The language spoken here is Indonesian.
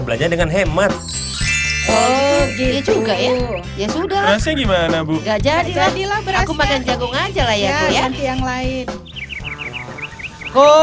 belanja dengan hemat oh gitu ya sudah gimana bu jadi jadi aku makan jagung aja lah ya yang lain